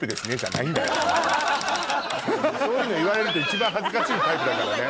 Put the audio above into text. そういうの言われると一番恥ずかしいタイプだからね。